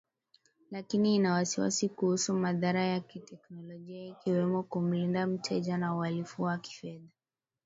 Lakini ina wasiwasi kuhusu madhara ya kiteknolojia ikiwemo kumlinda mteja, na uhalifu wa kifedha.